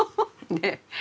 ねえ？